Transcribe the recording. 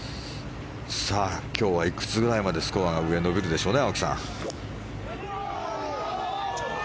今日はいくつぐらいまでスコアが上は伸びるでしょうね。